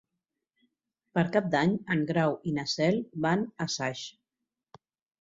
Per Cap d'Any en Grau i na Cel van a Saix.